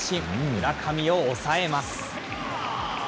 村上を抑えます。